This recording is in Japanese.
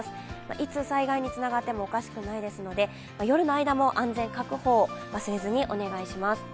いつ災害につながってもおかしくないですので、夜の間も安全確保を忘れずにお願いします。